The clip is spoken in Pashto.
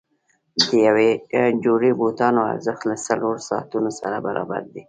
د یوې جوړې بوټانو ارزښت له څلورو ساعتونو سره برابر دی.